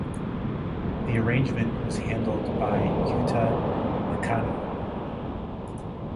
The arrangement was handled by Yuta Nakano.